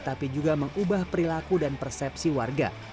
tapi juga mengubah perilaku dan persepsi warga